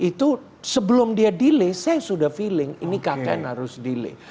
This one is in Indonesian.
itu sebelum dia delay saya sudah feeling ini kkn harus delay